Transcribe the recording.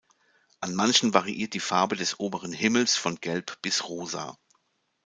Auf manchen variiert die Farbe des oberen Himmels von gelb bis rosa.